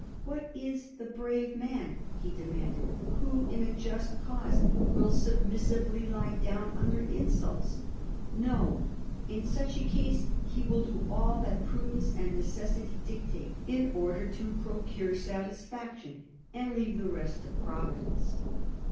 Where is the brave man," he de manded, '^ who in a just cause will submissively lie down under insults ? No !— in such a case he will do all that prudence and necessity dictate in order to procure satis faction, and leave the rest to Providence."